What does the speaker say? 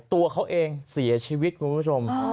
ตัวเขาเองเสียชีวิตคุณผู้ชม